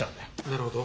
なるほど。